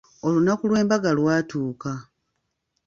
Olunaku lw'embaga lwatuuka.